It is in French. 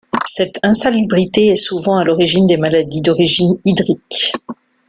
Cette insalubrité est souvent à l'origine de maladies d'origines hydriques.